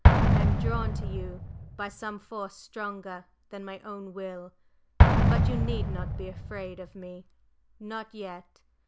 I am drawn to you by some force stronger than my own will; but you need not be afraid of me not yet!